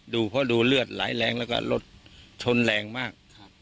ดูเพราะดูเหลือดหลายแรงเขาชนแรงมาก